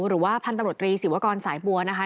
หรือว่าพันธบรรดรีสีวกรสายปัวนะครับ